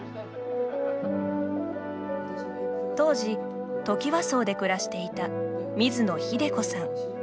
当時、トキワ荘で暮らしていた水野英子さん。